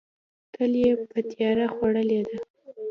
تل یې په تیاره خوړلې ده.